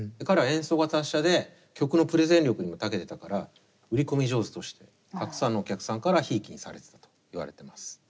彼は演奏が達者で曲のプレゼン力にもたけてたから売り込み上手としてたくさんのお客さんからひいきにされてたといわれてます。